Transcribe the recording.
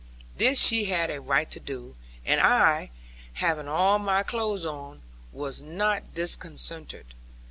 This she had a right to do; and I, having all my clothes on now, was not disconcerted.